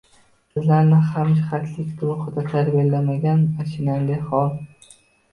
Sizlarni hamjihatlik ruxida tarbiyalamagani achinarli hol